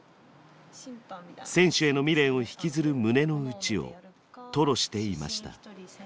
選手への未練を引きずる胸の内を吐露していました。